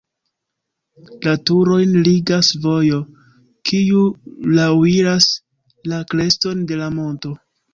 La turojn ligas vojo, kiu laŭiras la kreston de la monto.